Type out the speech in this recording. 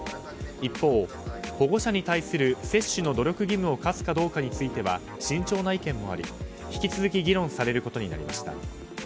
一方、保護者に対する接種の努力義務を課すかどうにかについては慎重な意見もあり引き続き議論されることになりました。